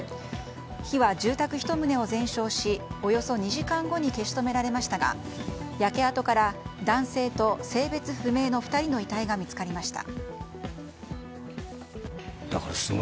火は住宅１棟を全焼しおよそ２時間後に消し止められましたが焼け跡から男性と性別不明の２人の遺体が見つかりました。